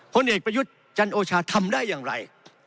เอกประยุทธ์จันโอชาทำได้อย่างไร